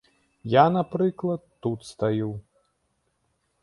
Я, напрыклад, тут стаю.